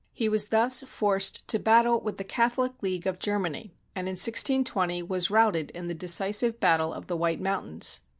He was thus forced to bat tle with the Catholic League of Germany, and in 1620 was routed in the decisive battle of the White Mountains.